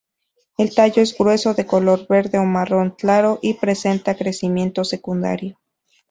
El tallo es grueso, de color verde o marrón claro y presenta crecimiento secundario.